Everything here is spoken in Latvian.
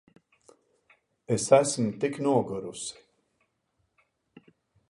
Es esmu tik nogurusi.